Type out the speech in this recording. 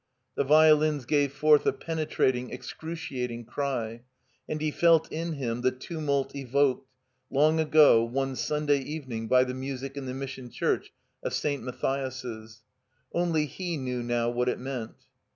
The violins gave forth a penetrating, excruciating cry. And he felt in him the ttmiult evoked, long ago, one Stmday evening by the music in the Mission Church of St. Matthias's. Only he knew now what it meant.